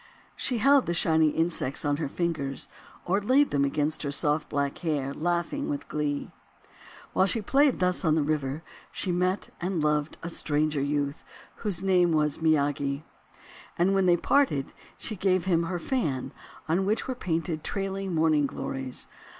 She held the shining insects on her fingers, or laid them against her soft black hair, laughing with glee. While she played thus on the river she met and loved a stranger youth, whose name was Miyagi. And wrhen they parted she gave him her fan, on which were painted trailing Morning Glories